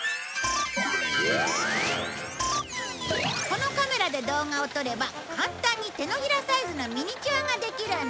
このカメラで動画を撮れば簡単に手のひらサイズのミニチュアができるんだ。